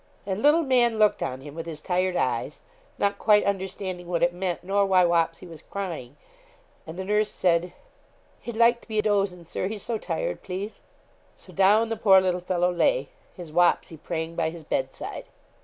And little man looked on him with his tired eyes, not quite understanding what it meant, nor why Wapsie was crying; and the nurse said 'He'd like to be dozin', Sir, he's so tired, please.' So down the poor little fellow lay, his 'Wapsie' praying by his bedside.